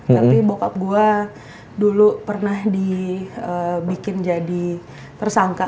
tapi bokap gue dulu pernah dibikin jadi tersangka